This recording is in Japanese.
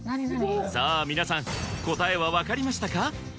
さぁ皆さん答えは分かりましたか？